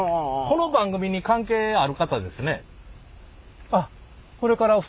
この番組に関係ある方ですね？